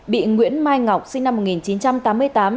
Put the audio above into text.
bị nguyễn mai ngọc sinh năm một nghìn chín trăm tám mươi tám